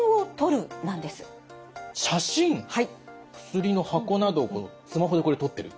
薬の箱などをスマホでこれ撮ってる。